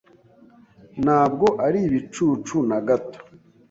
Ntabwo ari ibicucu na gato.